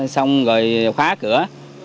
xong rồi khóa cửa